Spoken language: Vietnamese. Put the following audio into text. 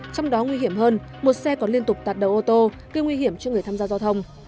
trong đó nguy hiểm hơn một xe còn liên tục tạt đầu ô tô gây nguy hiểm cho người tham gia giao thông